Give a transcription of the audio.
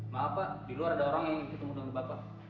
maaf pak di luar ada orang yang ingin menunggu tempat pak